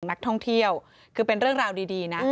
นักท่องเที่ยวคือเป็นเรื่องราวดีนะ